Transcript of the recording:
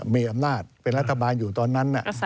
มีอำนาจเป็นรัฐบาลอยู่ตอนนั้น